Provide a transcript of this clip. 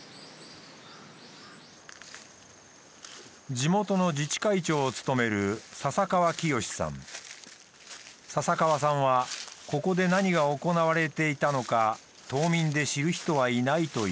地元の自治会長を務める笹川さんは「ここで何が行われていたのか島民で知る人はいない」と言う。